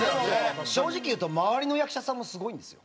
正直言うと周りの役者さんもすごいんですよ。